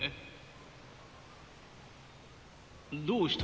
どうした？